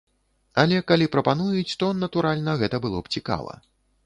Але калі прапануюць, то, натуральна, гэта было б цікава.